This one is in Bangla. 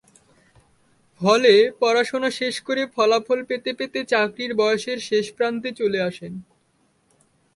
ফলে পড়াশোনা শেষ করে ফলাফল পেতে পেতে চাকরির বয়সের শেষপ্রান্তে চলে আসেন।